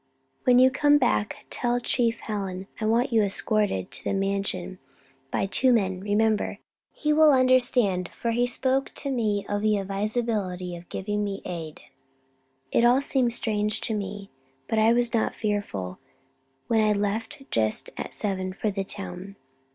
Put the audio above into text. When you come back, tell Chief Hallen that I want you escorted to the Mansion by two men. Remember! He will understand, for he spoke to me of the advisability of giving me aid." It all seemed strange to me, but I was not fearful when I left just at seven for the town.